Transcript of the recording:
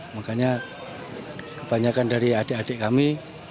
makanya kebanyakan dari adik adik kami